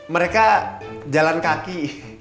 mereka jalan kaki